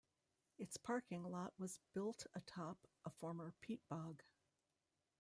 Its parking lot was built atop a former peat bog.